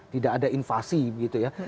tidak ada invasi gitu ya